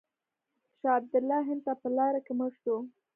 شاه عبدالله هند ته په لاره کې مړ شو.